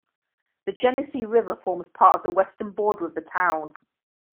The Genesee River forms part of the western border of the town.